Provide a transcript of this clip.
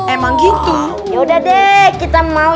emang gigi yaudah deh kita mau